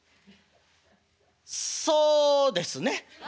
「そうですね。